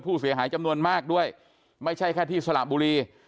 ผู้เสียหายจำนวนมากด้วยไม่ใช่แค่ที่สระบุรี